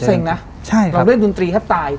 ลูกเซ็งนะเราเล่นดนตรีแทบตาย